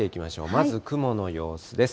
まず雲の様子です。